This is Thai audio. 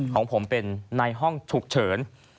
ของผมเป็นในห้องฉุกเฉิน